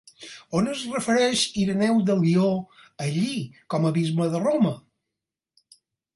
On es refereix Ireneu de Lió a Lli com a bisbe de Roma?